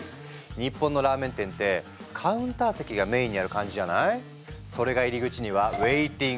日本のラーメン店ってカウンター席がメインにある感じじゃない？